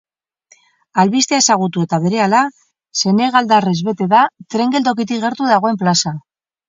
Albistea ezagutu eta berehala, senegaldarrez bete da tren geltokitik gertu dagoen plaza.